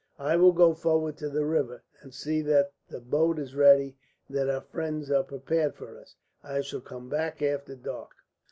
I will go forward to the river, and see that the boat is ready and that our friends are prepared for us. I shall come back after dark."